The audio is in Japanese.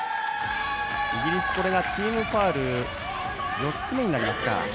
イギリス、これがチームファウル４つ目になりますか。